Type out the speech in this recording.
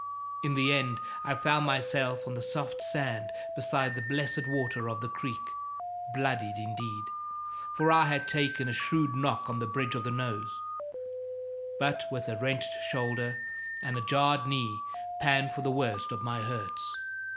In the end, I found myself on soft sand beside the blessed water of the creek, bloodied indeed for I had taken a shrewd knock on the bridge of the nose but with a wrenched shoulder and a jarred knee pan for the worst of my hurts.